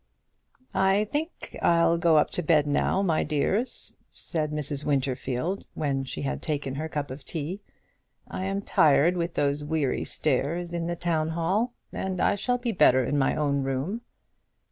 "I think I'll go up to bed now, my dears," said Mrs. Winterfield, when she had taken her cup of tea. "I am tired with those weary stairs in the Town hall, and I shall be better in my own room."